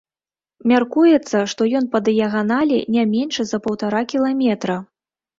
Мяркуецца, што ён па дыяганалі не меншы за паўтара кіламетра.